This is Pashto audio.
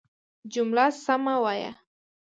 جمله سمه وايه!